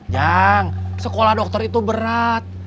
jang sekolah dokter itu berat